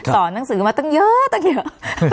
หนังสือมาตั้งเยอะตั้งเยอะ